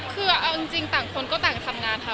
คือเอาจริงต่างคนก็ต่างทำงานค่ะ